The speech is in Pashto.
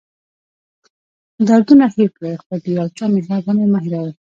دردونه هېر کړئ خو د یو چا مهرباني مه هېروئ.